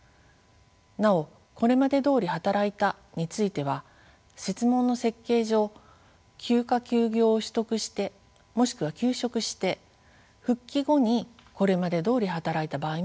なお「これまでどおり働いた」については設問の設計上休暇・休業を取得してもしくは休職して復帰後にこれまでどおり働いた場合も含まれます。